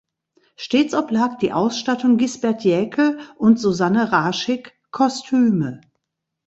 Stets oblag die Ausstattung Gisbert Jäkel und Susanne Raschig (Kostüme).